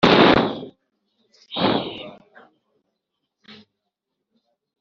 nti “Mpa ako gatabo.” Aransubiza ati “Enda ugaconshomere,